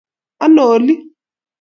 Ano oli